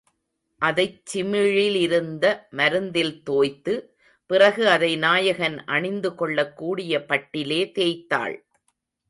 அதைச் சிமிழிலிருந்த மருந்தில் தோய்த்து பிறகு அதை நாயகன் அணிந்துகொள்ளக் கூடிய பட்டிலே தேய்த்தாள்.